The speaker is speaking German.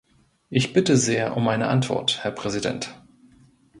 Ich bitte sehr um eine Antwort, Herr Präsident.